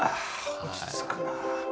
落ち着くなあ。